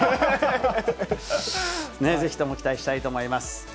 ぜひとも期待したいと思います。